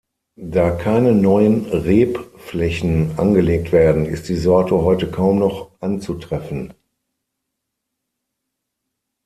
Da keine neuen Rebflächen angelegt werden, ist die Sorte heute kaum noch anzutreffen.